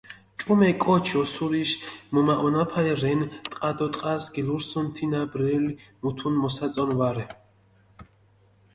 ჭუმე კოჩი ოსურიში მჷმაჸონაფალი რენ, ტყა დო ტყას გილურსჷნ, ბრელი მუთუნ მოსაწონი ვარე.